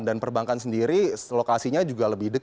dan perbankan sendiri lokasinya juga lebih mudah